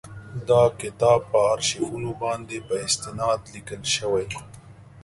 دا کتاب پر آرشیفونو باندي په استناد لیکل شوی.